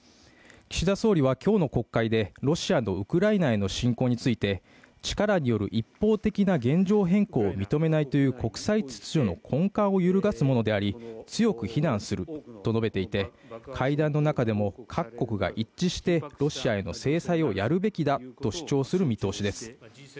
岸田総理は今日の国会でロシアのウクライナへの侵攻について力による一方的な現状変更を認めないという国際秩序の根幹を揺るがすものであり強く非難すると述べていて会談の中でも各国が一致してロシアへの制裁をやるべきだと主張する見通しです。